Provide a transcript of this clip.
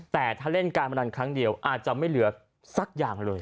แต่ถ้าเล่นการพนันครั้งเดียวอาจจะไม่เหลือสักอย่างเลย